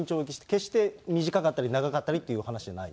決して短かったり、長かったりという話ではない？